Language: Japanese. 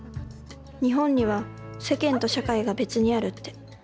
日本には「世間」と「社会」が別にあるって。